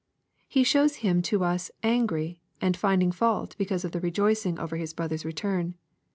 He shows him to us " angry" and finding fault because of the rejoicings^ver his brother's return.